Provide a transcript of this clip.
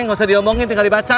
nggak usah diomongin tinggal dibaca